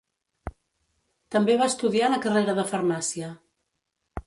També va estudiar la carrera de farmàcia.